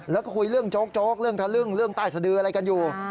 แล้วก็คุยเรื่องโจ๊กเรื่องทะลึ่งเรื่องใต้สดืออะไรกันอยู่